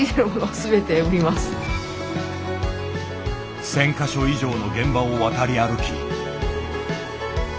１０００か所以上の現場を渡り歩き。